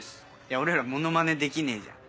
俺らモノマネできねえじゃん。